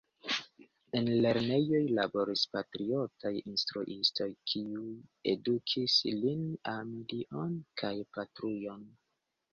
En lernejoj laboris patriotaj instruistoj, kiuj edukis lin ami Dion kaj Patrujon.